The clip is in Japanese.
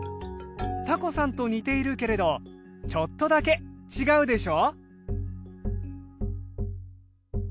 たこさんと似ているけれどちょっとだけ違うでしょ。